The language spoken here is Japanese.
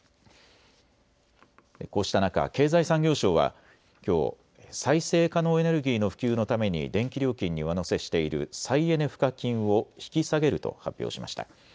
こうした中、経済産業省はきょう再生可能エネルギーの普及のために電気料金に上乗せしている再エネ賦課金を引き下げると発表しました。